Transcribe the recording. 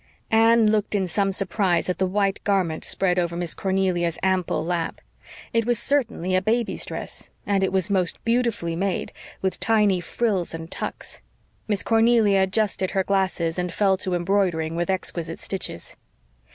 Anne looked in some surprise at the white garment spread over Miss Cornelia's ample lap. It was certainly a baby's dress, and it was most beautifully made, with tiny frills and tucks. Miss Cornelia adjusted her glasses and fell to embroidering with exquisite stitches.